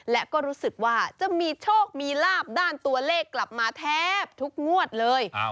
และก็รู้สึกว่าจะมีโชคมีลาบด้านตัวเลขกลับมาแทบทุกงวดเลย